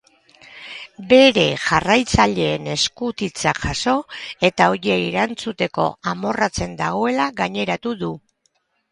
Bere jarraitzaileen eskutitzak jaso eta horiei erantzuteko amorratzen dagoela gaineratu du.